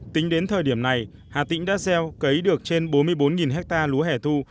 tính đến thời điểm này hà tĩnh đã gieo cấy được trên bốn mươi bốn hectare lúa hẻ thu